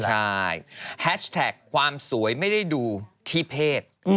ใช่แฮชแท็กความสวยไม่ได้ดูที่เพศ